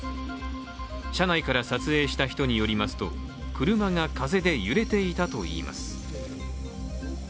車内から撮影した人によりますと車が風で揺れていたといいます。